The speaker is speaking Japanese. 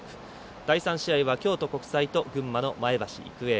第３試合は京都国際と群馬の前橋育英。